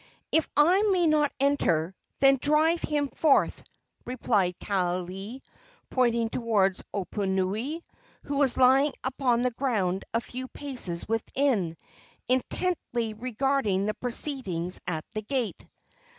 "If I may not enter, then drive him forth!" replied Kaaialii, pointing toward Oponui, who was lying upon the ground a few paces within, intently regarding the proceedings at the gate.